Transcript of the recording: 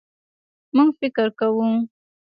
مونږ فکر کوو